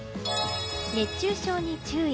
熱中症に注意。